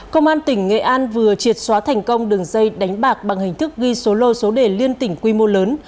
công an tỉnh nghệ an vừa triệt xóa thành công đường dây đánh bạc bằng hình thức ghi số lô số đề liên tỉnh quy mô lớn